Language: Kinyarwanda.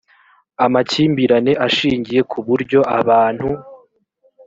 amakimbirane ashingiye ku buryo abantu